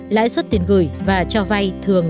lãi suất tiền gửi và cho vay thường